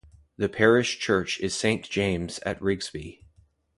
The parish church is Saint James at Rigsby.